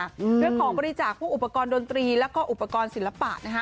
เรื่องของบริจาคพวกอุปกรณ์ดนตรีแล้วก็อุปกรณ์ศิลปะนะฮะ